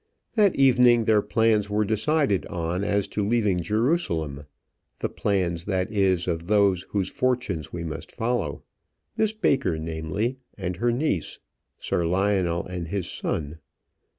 That evening their plans were decided on as to leaving Jerusalem the plans, that is, of those whose fortunes we must follow; Miss Baker, namely, and her niece; Sir Lionel and his son.